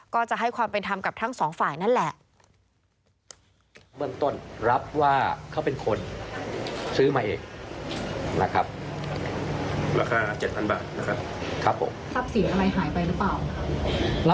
ก็จะให้ความเป็นธรรมกับทั้งสองฝ่ายนั่นแหละ